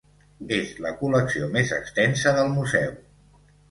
És la col·lecció més extensa del Museu.